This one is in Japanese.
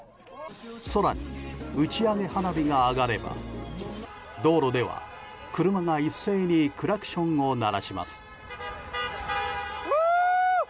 空に、打ち上げ花火が上がれば道路では、車が一斉にクラクションを鳴らします。